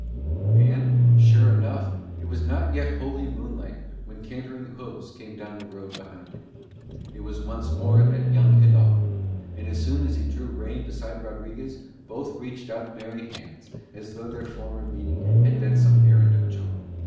And, sure enough, it was not yet wholly moonlight when cantering hooves came down the road behind him. It was once more that young hidalgo. And as soon as he drew rein beside Rodriguez both reached out merry hands as though their former meeting had been some errand of joy.